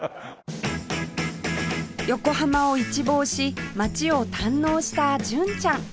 横浜を一望し街を堪能した純ちゃん